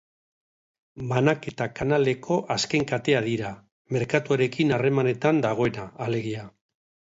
Banaketa-kanaleko azken katea dira, merkatuarekin harremanetan dagoena, alegia.